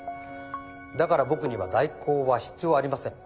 だから僕には代行は必要ありません。